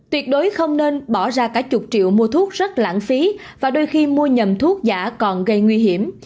tuyệt đối không nên bỏ ra cả chục triệu mua thuốc rất lãng phí và đôi khi mua nhầm thuốc giả còn gây nguy hiểm